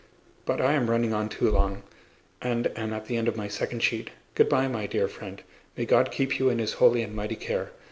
But I am running on too long and am at the end of my second sheet. Good by, my dear friend. May God keep you in His holy and mighty care.